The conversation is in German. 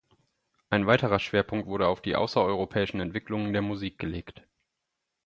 Ein weiterer Schwerpunkt wurde auf die außereuropäischen Entwicklungen der Musik gelegt.